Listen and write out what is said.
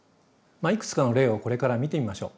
いくつかの例をこれから見てみましょう。